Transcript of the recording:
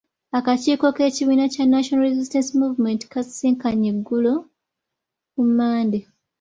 Akakiiko k’ekibiina kya National Resistance Movement akaasisinkanye eggulo ku Mmande.